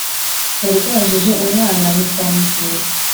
Yarwajije umwana ntitwamusura